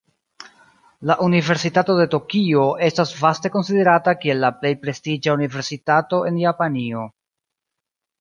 La Universitato de Tokio estas vaste konsiderata kiel la plej prestiĝa universitato en Japanio.